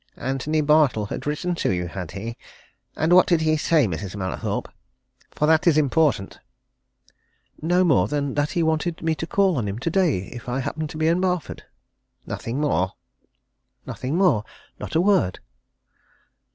"Antony Bartle had written to you, had he? And what did he say, Mrs. Mallathorpe? For that is important!" "No more than that he wanted me to call on him today, if I happened to be in Barford." "Nothing more?" "Nothing more not a word."